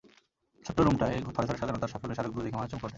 ছোট্ট রুমটায় থরে থরে সাজানো তাঁর সাফল্যের স্মারকগুলো দেখে মানুষ চমকে ওঠে।